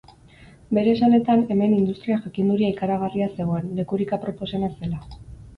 Bere esanetan, hemen industria jakinduria ikaragarria zegoen, lekurik aproposena zela.